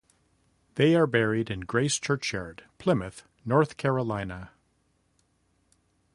They are buried in Grace Churchyard, Plymouth, North Carolina.